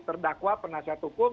terdakwa penasihat hukum